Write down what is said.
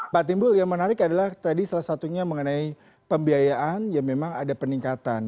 pak timbul yang menarik adalah tadi salah satunya mengenai pembiayaan yang memang ada peningkatan